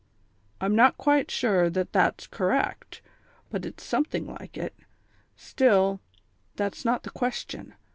I'm not quite sure that that's correct, but it's something like it. Still, that's not the question.